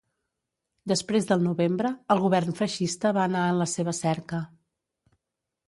Després del novembre, el govern feixista va anar en la seva cerca.